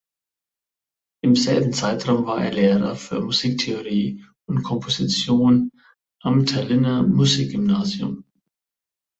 Im selben Zeitraum war er Lehrer für Musiktheorie und Komposition am Tallinner Musikgymnasium.